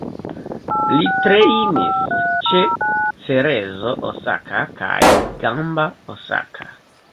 Li trejnis ĉe Cerezo Osaka kaj Gamba Osaka.